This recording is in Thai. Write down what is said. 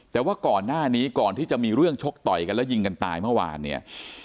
แต่ว่าก่อนหน้านี้ก่อนที่จะมีเรื่องชกต่อยกันแล้วยิงกันตายเมื่อวานเนี่ย